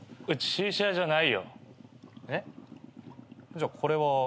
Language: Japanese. じゃあこれは。